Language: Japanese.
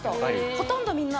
ほとんどみんな。